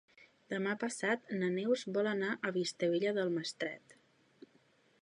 Demà passat na Neus vol anar a Vistabella del Maestrat.